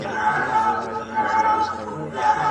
ما به ولي کاروانونه لوټولاى.